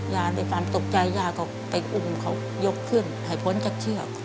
ยาในความตกใจยาก็ไปอุ่มเขายกเครื่องถ่ายพ้นจากเชือก